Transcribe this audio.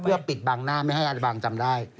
เพื่อปิดบางหน้าไม่ให้อาลิบางจำได้